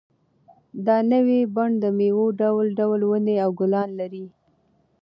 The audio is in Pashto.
دا نوی بڼ د مېوو ډول ډول ونې او ګلان لري.